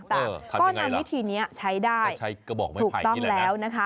แต่ก็นำวิธีนี้ใช้ได้ถูกต้องแล้วนะคะ